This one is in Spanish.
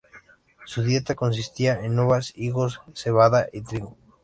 Su dieta consistía en uvas, higos, cebada y trigo.